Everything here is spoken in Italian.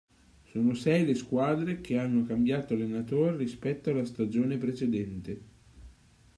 Sono sei le squadre che hanno cambiato allenatore rispetto alla stagione precedente.